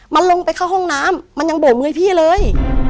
มันลงไปเข้าห้องน้ำมันยังโบกมือให้พี่เลย